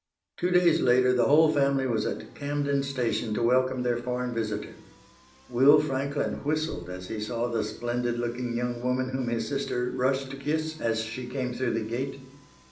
Two days later the whole family was at Camden Station to welcome their foreign visitor. Will Franklin whistled as he saw the splendid looking young woman whom his sister rushed to kiss as she came through the gate.